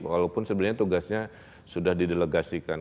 walaupun sebenarnya tugasnya sudah di delegasikan